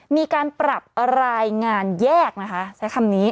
มีการปรับรายงานแยกนะคะใช้คำนี้